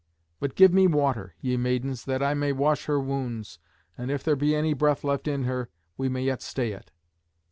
But give me water, ye maidens, that I may wash her wounds, and if there be any breath left in her, we may yet stay it."